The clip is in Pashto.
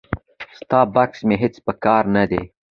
ستا بکس مې هیڅ په کار نه دی.